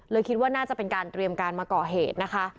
คิดว่าน่าจะเป็นการเตรียมการมาก่อเหตุนะคะ